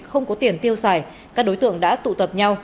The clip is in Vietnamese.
không có tiền tiêu xài các đối tượng đã tụ tập nhau